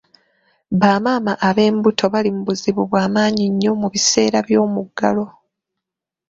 Bamaama ab'embuto baali mu buzibu bw'amaanyi nnyo mu biseera by'omuggalo.